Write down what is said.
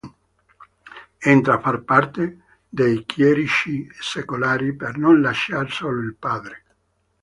Entra a far parte dei chierici secolari per non lasciar solo il padre.